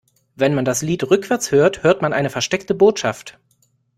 Wenn man das Lied rückwärts hört, hört man eine versteckte Botschaft.